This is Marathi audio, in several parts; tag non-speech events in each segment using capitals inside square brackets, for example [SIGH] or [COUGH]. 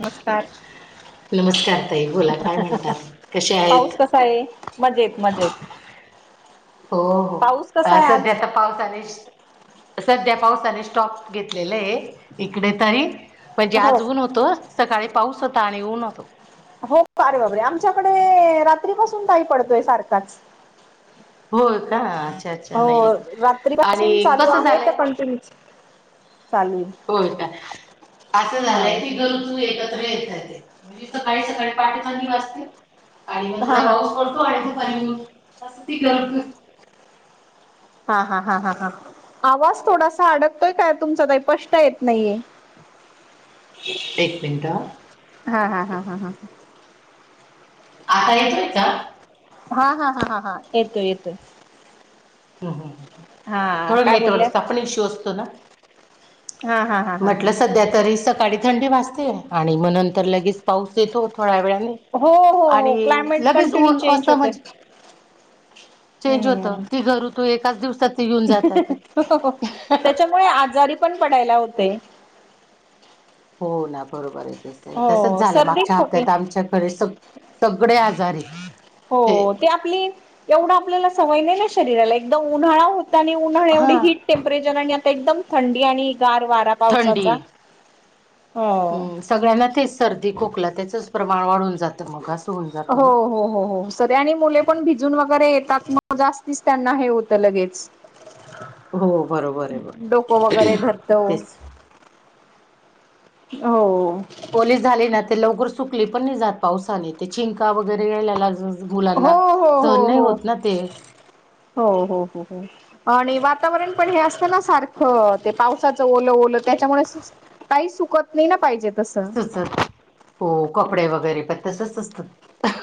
नमस्कार नमस्कार ताई. बोला काय म्हणता? कसे आहेत? पाऊस कसा आहे. मजेत मजेत. हो हो. पाऊस कसा आहे सध्या आज त पावसाने- सध्या पावसाने स्टॉप घेतलेलय. इकडे तरी. म्हणजे हो आज ऊन होत. सकाळी पाऊस होता आणि ऊन होत. हो का? अरे बाप रे! आमच्याकडे रात्रीपासून ताई पडतोय सारखाच. होय का? अच्छा नाही हो. रात्रीपासून आणि चालू कसं आहे त झालंय कंटिन्यूच चालूय. होय का? असं झालंय की गरजू एकत्र येताय. म्हणजे सकाळी सकाळी पहाटे थंडी वाजते. आणि मग हा हा थोडा हा पाऊस पडतो आणि म दुपारी ऊन - जास्ती गर- हा. हा. हा. हा. हा. आवाज थोडासा अडकतोय काय तुमचा ताई? स्पष्ट येत नाहीये. एक मिनटं हं. हा. हा. हा. हा. हा. ह. आता येतोय का? हा. हा. हा. हा. हा. येतोय येतोय. हो. हो. हो. हो. हा हो. काय बोलल्या नेटवर्कचा पण इश्यू असतो ना? हा हा हा हा हा म्हटलं सध्या- तरी सकाळी थंडी वाजते आणि मग नंतर लगेच पाऊस येतो थोड्या वेळाने. हो हो आणि हो क्लायमेट लगेच कंटिन्यू ऊन. अस चेंज होतय म्हणजे - चेंज होत. हम्म तीघ ऋतू एकाच दिवसात येऊन जातात ए. त्याच्यामुळे आजारी पण पडायला होतय. हो ना. बरोबर आहे. ते तसंच हो झालं सर्दी मागच्या खोकी हप्त्यात आमच्याकडे सग- सगळे आजारी. हो हे ते आपली, एवढं आपल्याला सवय नाही ना शरीराला? एकदम उन्हाळा हो- त आणि उन्हाळ्या हा एवढी हीट टेम्परेचर आणि आता एकदम थंडी आणि गार वारा. थंडी. पावसाचा हो हम्म. सगळ्यांना तेच सर्दी खोकला त्याचंच प्रमाण वाढून जातं मग अस. हो. हो. हो. हो. तरी आणि मुले पण भिजून वगैरे येतात म जास्तीच त्यांना हे होत लगेच. हो बरोबर आहे बघ डोक वगैरे धरतं. तेच. हो. ओली झाली ना त लवकर सुकली पण नाही जात पावसाने ते चिंका वगैरे यायला ल्या जून गुलांना हो हो सहन हो नाही हो होत ना ते. हो हो हो हो! आणि वातावरण पण हे असतं ना सारखं ते पावसाचं ओलं ओलं त्याच्यामुळे स काही सुकत नही ना पाहिजेत तसचं हो कपडे वगैरे पण तसं असतात.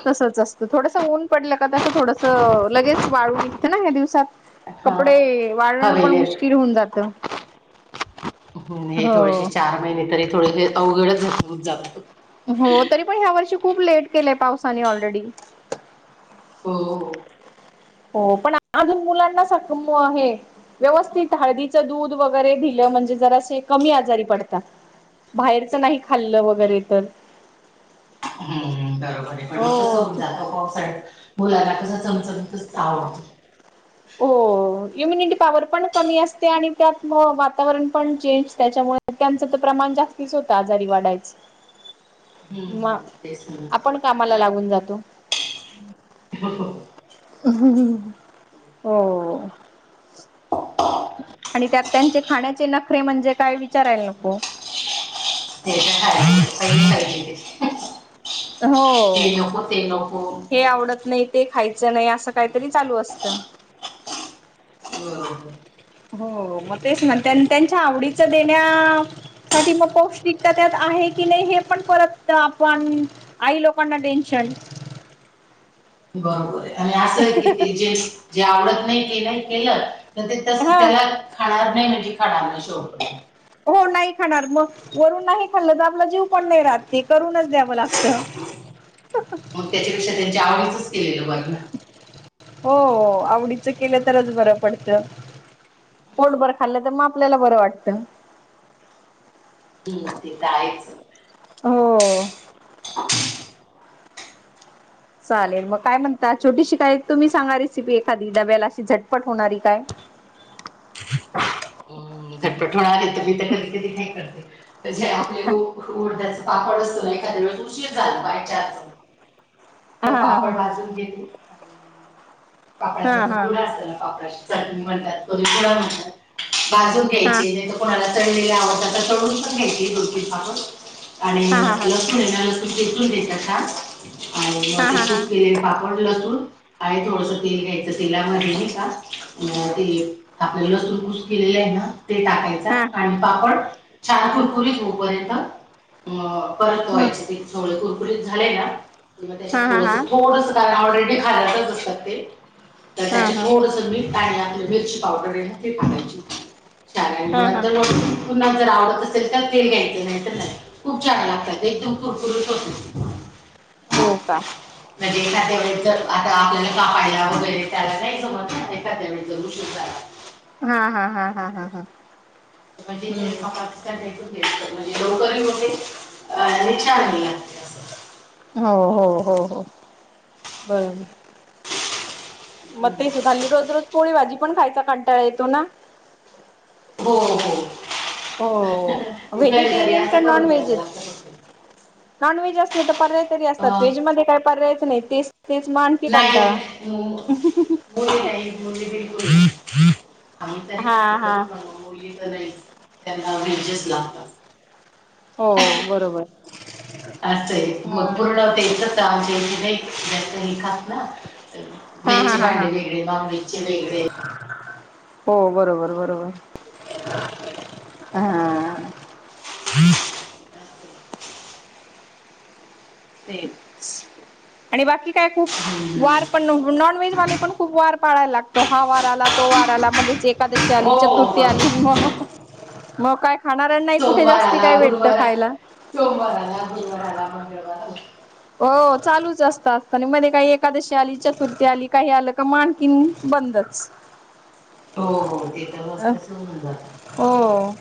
तसंच असतं, थोडसं ऊन पडलं का तसं थोडसं लगेच वाळू निघतं ना ह्या दिवसांत. हा कपडे वाळणं पण मुश्किल होऊन जातं. हूं हे थोडेसे हो. चार महिने तरी थोडेसे अवघडच [UNINTELLIGIBLE] जाता. हो तरी पण ह्या वर्षी खूप लेट केलंय पावसाने ऑलरेडी. हो! हो पण अजून मुलांना सा क मो हे. व्यवस्थित हाळदीचं दूध वगैरे दिलं म्हणजे जरासे कमी आजारी पडता. बाहेरचं नाही खाल्लं वगैरे तर. हूं बरोबर आहे पण मग कसं होऊन हो जात पावसाळ्यात मुलांना कसं चमचमीतच आवडतं. हो इम्युनिटी पॉवर पण कमी असते, आणि त्यात वातावरण पण चेंज त्याच्यामुळे. त्यांचं तर प्रमाण जास्तीच होतं आजारी वाडायचं. हम्म म हम्म, तेच ना. आपण कामाला लागून जातो. [INAUDIBLE] ते हो! आणि त्यात त्यांचे खाण्याचे नखरे म्हणजे काय विचारायला नको. [UNINTELLIGIBLE] हो ते नको ते नको हे आवडत नाही, ते खायचं नाही, असं काहीतरी बरोबर चालू असतं. बरोबर. हो मग तेच ना त्यान त्यांच्या आवडीचं देण्या साठी मग पौष्टिकता त्यात आहे की नाही हे पण परत आपण. आई लोकांना टेन्शन. बरोबर आहे, आणि असं आहे की ते जे जे आवडत नाही ते नाही केलं तर ते तस हा त्याला खाणार नाही म्हणजे खाणार नाही शेवट पर्यंत. हो नाही खाणार म वरून नाही खाल्लं तर आपला जीव पण नाही राहत ते करूनच द्यावं लागत. [INAUDIBLE] मग त्याच्यापेक्षा त्यांच्या आवडीच केलेलं बर ना. हो आवडीचं केलं तरच बरं पडतं. पोटभर खाल्लं तर मग आपल्याला बरं वाटतं. हूं ते त आहेच. हो! [INAUDIBLE] चालेल मग काय म्हणता, छोटीशी काय तुम्ही सांगा रेसिपी एखादी, डब्याला अशी झटपट होणारी काय. [INAUDIBLE] झटपट होणारी मी तर कधी कधी काय करते म्हणजे आपले उ-उडदाचे पापड अस एखाद्या वेळेस उशीर झाल बाय चान्स त हा हा पापड हा भाजून घेते हा पापडाचा जो हा खुडा असल ना पापडाशी चटणी म्हणतात कोणी खुडा म्हणतात. भाजून हा. घ्यायचे नाहीत कोणाला तळलेले आवडतात त तळून पण घ्यायचे दोन तीन पापड. आणि हा हा हा हा लसूण ये ना लसूण ठेचून घेयचा [UNINTELLIGIBLE] आणि मग ते हा हा खूप गेले पापड लसूण. आहे थोडस तेल घ्यायचं शिला नाही का, आपल लसुण केलेले आहे ना ते टाकायचा हा हा ह आणि पापड छान कुरकुरीत होऊपर्यंत अ परतवायच ते सगळ कुरकुरीत झालेय ना किंवा हा त्याच्यात हा थोडस हा. थोडस तर ऑलरेडी घातलेलंच असतय ते, तर हा त्याच्यात हा थोडस मीठ आणि आपली मिरची पावडर आहे ना ति टाकायची. [UNINTELLIGIBLE] हा हा पुन्हा जर आवडत असेल तर ते घ्यायचे नाही तर नाही. खूप छान लागतात. एकदम कुरकुरीत होतेत. हो का? म्हणजे एखाद्या वेळे जर आता आपल्याला कापायला वगैरे त्याला नाही जमत न, एखाद्या वेळी जर उशीर झाला हां हां हां हां हां हां. [UNINTELLIGIBLE] हा हो हो हो बरोबर. मग हम्म. तेच हल्ली रोज रोज पोळी भाजी पण खायचा कंटाळा येतो ना. हो हो हो. कधीतरी व्हेजिटेरियन का असं नॉन करून द्याव व्हेज आहेत. लागत. नॉन व्हेज असले तर पर्याय तरी असतात, अं, व्हेज मध्ये काय पर्यायच नाही. तेच तेच म आनकी कंटाळा. [UNINTELLIGIBLE] तू बोलली हा हा का नाहीस? त्याला आवडेल तसेच लागतात. हो बरोबर. आसंय हा मग पूर्ण तेचच जास्त [UNINTELLIGIBLE] हे खात नाही तर हा हा व्हेजचे हा हा. भांडे वेगळे, नॉनव्हेजचे वेगळे हो बरोबर बरोबर हा आ. [INAUDIBLE] आहे. तेचं आणि बाकी काय खूप हम्म. वार पण नॉन व्हेज वाले पण, खूप वार पाळायला लागतो. हा वार आला, तो वार आला मधेच एकादशी आली चतुर्थी आली मग, मग काय खाणाऱ्याना ही कुठे सोमवार जास्ती काय आला भेटतं गुरुवार खायला? सोमवार आला. मग गुरुवार आला मंगळवार हो चालूच असत असत आणि मध्ये काही एकादशी आली, चतुर्थी आली, काही आलं का म आनखीन बंदच. [INAUDIBLE] हो हो ते तर वाजता सोडून जानार. ओ अ.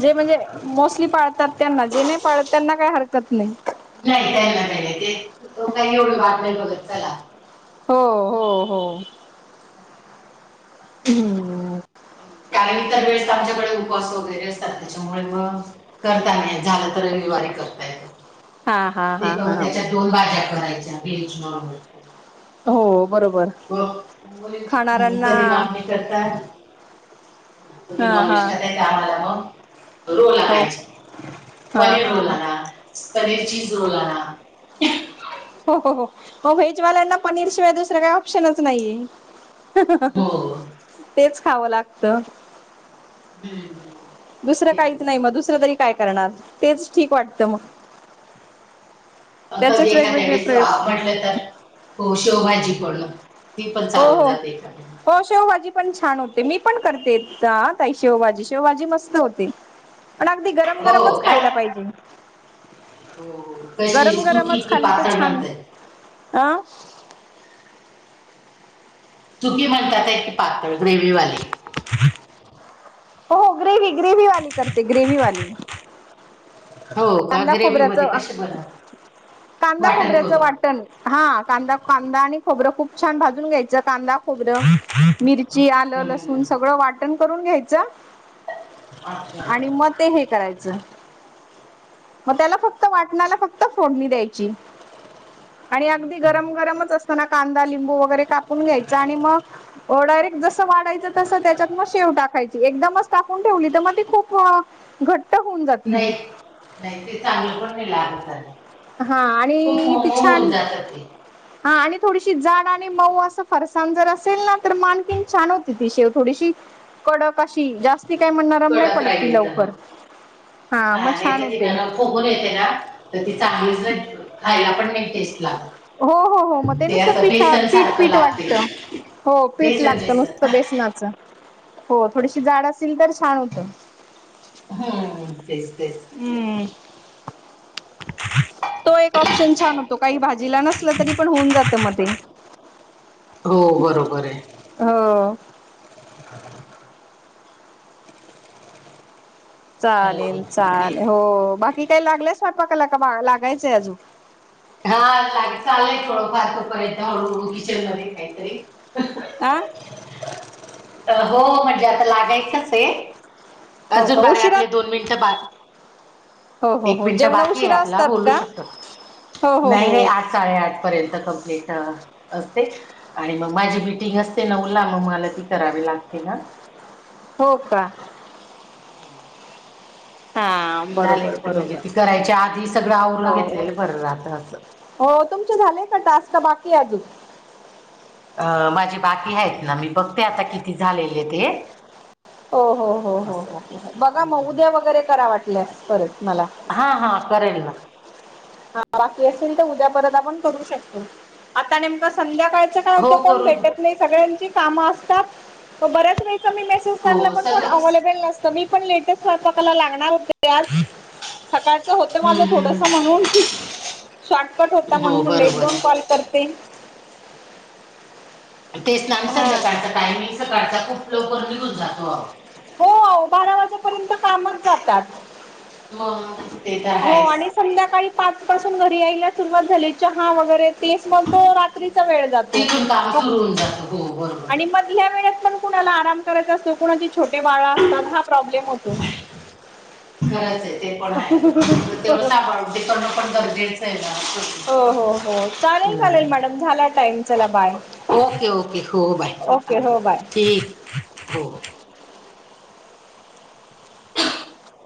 जे म्हणजे मोस्टली पाळतात त्यांना, जे नाही पाळत त्यांना काही हरकत नाही. नाही त्यांना नाही, नाही ते काही एवढी वाट नाही बघत चला. हो हो हो हूम. कारण इतर वेळेस आमच्याकडे उपवास वगैरे असतात त्याच्यामुळे मग तर काय नाही झालं तर, रविवारी करता येत. हा हा ते हा पण हा त्याच्या दोन भाज्या करायच्या व्हेज म्हणून हो बरोबर. मग मुली खाणाऱ्यांना कधी काम नाही करतात. तुम्ही हा नॉनवेज हा खाताय तर आमाला मग. रोल हो आणायचे. हा पनीर हा रोल हा आणा, पनीर चीज रोल आणा. हो हो हो, मगं व्हेजवाल्यांना पनीर शिवाय दुसरं काही ऑप्शनच नाहीये. हो [INAUDIBLE] तेच खावं लागतं. हम्म, हम् हम दुसरं काहीच नाही मग, दुसरं तरी काय करणार, तेच ठीक वाटत मग. अस त्याचेच एखाद्या वेगवेगळे वेळेस प्रयोग आपट तर, हो शेवभाजी करणं. हो, हो. हो शेवभाजी पण छान होते, मी पण करते, त, ताई शेवभाजी शेवभाजी मस्त होते. पण अगदी हो गरम-गरमच खायला का पाहिजे. हो हो कशी गरम सुकी -गरमच की खाली तर पातळ छान. म्हणताय अं तुम्ही म्हणता तेच पातळ ग्रेविवाले? हो, हो ग्रेवी ग्रेवीवाली करते ग्रेविवाली. हो का कांदा ग्रेव्ही खोबऱ्याच, मध्ये कसे बनवतात कांदा वाटण खोबऱ्याच करून वाट हा, कांदा, कांदा आणि खोबरं खूप छान भाजून घ्यायचं कांदा खोबरं मिर ची, आलं, हम्म, हम्म, लसून हम्म. सगळं वाटण करून घ्यायचं. अच्छा आणि म ते हे करायचं. मग त्याला फक्त वाटणाला फक्त फोडणी द्यायची. आणि अगदी हं. गरम- गरमच असताना कांदा लिंबू वगैरे कापून घ्यायचा आणि मग अ, डायरेक्ट जसं वाढयचं तसं त्याच्यात मग शेव टाकायचं. एकदमच टाकून ठेवली तर मग घट्ट होऊन जातील नाही, नाही ते चांगलं पण नाही लागत. हा खूप आणि मऊ ती होऊन छान जातं ते हा आणि थोडीशी जाड आणि मऊ असं फरसाण जर असेल ना, तर मग आणखीन छान होती ती शेव थोडीशी, कडक अशी जास्त ती काय मग नरम नाही कडक पडत ती राहिली तर हो लवकर, हा मग नाही छान तर ती होते. नरम फुगून येते ना, तर ती चांगलीच नाही खायला पण टेस्ट लागत. हो, हो, हो मग ते नुसत असं पिठं, बेसन पीठ, सारखं पीठ लागते वाटतं. हो, पीठ बेसन लागतं बेसन नुसतं बेसनाचं. हो, थोडीशी जाड असतील तर छान होते. हम, तेच -तेच. हम्म. तो एक ऑप्शन छान होतो, काही भाजीला नसला तरी पण होऊन जात म ते. हो बरोबर हेय. हो. चालेल, हॅलो एक चालेल हो बाकी काही लागलय स्वयंपाकाला का लागायचंय अजून? हा लाग चालेलय थोडं फार तो पर्यंत हळूहळू किचन मध्ये काहीतरी. आं. हो, म्हणजे आता लागायचंच हेय. हो अजून का उशिरा झालंआपले दोन मिनिटं बार हो हो एक हो मिनिट जेवण बाकी हेय उशिरा आपला, असतात बोलू का? शकतात. हो हो नाही रे हो आज साडे -आठ पर्यंत कंप्लीट असतेच. आणि मग माझी मिटिंग असते नऊला मग मला ती करावी लागते ना. हो का? हो. हा ते झाले बरोबर की म्हणजे, बरोबर ती करायच्या आधी सगळं आवरून हो. घेतलेलं बरं राहत असं. हो, तुमचे झाले का टास्क का बाकी आहे अजून? अ, माझी बाकी आहेत ना, मी बघते आता किती झालेले ते. हो, हो, हो, हो, असं हो, हो बघा मग हम्म उद्या वगैरे करा वाटल्यास परत मला. हां हा करेल ना ह बाकी असेल तर उद्या परत आपण करू शकतो आता नेमका संध्याकाळ सकाळच हो कोण करू भेटत नाही सगळ्याची काम असतात म बऱ्याच वेळच मी मेस तु टाकला हो म्हणून पण सगळंच अवलेबल नसत मी पण लेट च स्वयंपाकाला लागणार होते. ते आज सकाळचं होत माझं हम्म हम्म थोडस म्हणून शॉटकट होता हम्म हो म्हणून म्हणलं एक बरोबर दोन कॉल करते तेच ना आणि हा संध्याकाळचा टायमिंगचा सकाळचा खूप लवकर निघून जातो आहो. हो आहो बारा वाजेपर्यंत कामच जातात. मं हो आणि संध्याकाळी पाच पासून घरी यायला सुरुवात झाली चहा वगैरे तेच म तो रात्रीचा वेळ जातो तिथून काम सुरू होऊन जातं हो बरोबर आहे. आणि मधल्या वेळत पण कुणाला आराम करायचा असतो कुणाचे छोटे बाळ असतात हा प्रॉब्लेम होतो. खरच आहे ते पण आहे पण तेवढं सांभाळून ते करणं पण गरजेचं ये ना हो हो हो चालेल चालेल हम्म. मॅडम झाला टाईम चला बाय. ओके ओके हो बाय हां ओके हो बाय. ठीक हो.